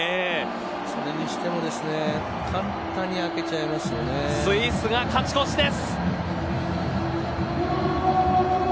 それにしてもですねスイスが勝ち越しです。